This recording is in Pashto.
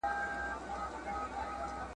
چي پخپله په مشکل کي ګرفتار وي `